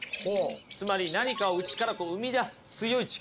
つまり何かを内からこう生み出す強い力ですよ。